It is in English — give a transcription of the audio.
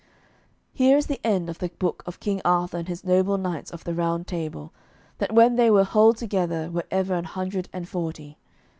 Here is the end of the book of King Arthur and his noble knights of the Round Table, that when they were whole together were ever an hundred and forty.